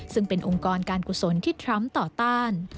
ซึ่งเป็นองค์กรการกุศลที่ทรัมป์ต่อต้าน